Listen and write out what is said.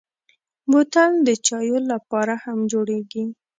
بوتل د چايو لپاره هم جوړېږي.